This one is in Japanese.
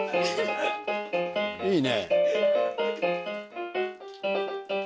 いいね。